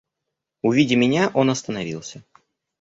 Увидя меня, он остановился.